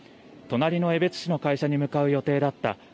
隣の江別市の会社に向かう予定だった。